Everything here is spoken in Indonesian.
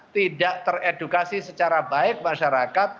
tidak teredukasi secara baik masyarakat